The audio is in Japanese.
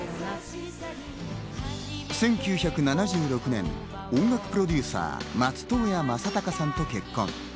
１９７６年、音楽プロデューサー・松任谷正隆さんと結婚。